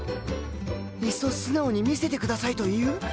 いっそ素直に「見せてください」と言う？